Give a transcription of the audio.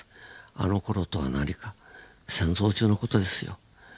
「あのころ」とは何か戦争中の事ですよ。